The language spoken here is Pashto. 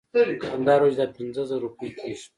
دوکاندار وویل چې دا پنځه زره روپۍ کیږي.